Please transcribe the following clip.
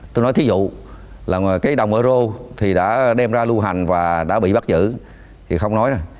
tôi nói thí dụ là cái đồng euro thì đã đem ra lưu hành và đã bị bắt giữ thì không nói đâu